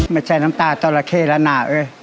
ไม่ใช่น้ำตาเจ้าระเคแล้วนะเอ้ย